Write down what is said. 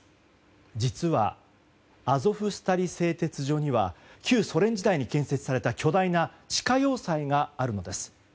実は、アゾフスタリ製鉄所には旧ソ連時代に建設された巨大な地下要塞があるのです。